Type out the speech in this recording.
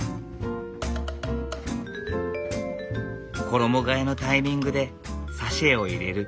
衣がえのタイミングでサシェを入れる。